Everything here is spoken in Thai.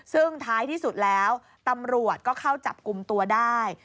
ซึ่งท้ายที่สุดแล้วตำรวจก็เข้าจับกลุ่มตัวได้